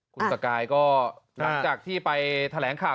คุณสกายก็หลังจากที่ไปแถลงข่าว